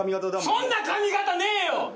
そんな髪形ねえよ